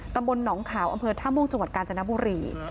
ตำบลหนองขาวอำเภอท่าม่วงจังหวัดกาญจนบุรี